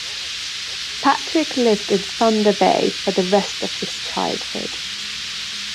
Patrick lived in Thunder Bay for the rest of his childhood.